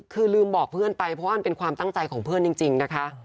คือลืมบอกเพื่อนไปเพราะว่ามันเป็นความตั้งใจของเพื่อนจริงนะคะ